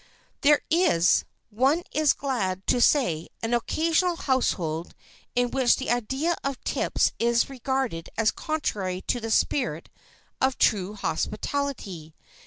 There is, one is glad to say, an occasional household in which the idea of tips is regarded as contrary to the spirit of true hospitality.